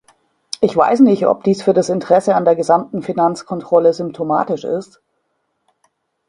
Ich weiß nicht, ob dies für das Interesse an der gesamten Finanzkontrolle symptomatisch ist.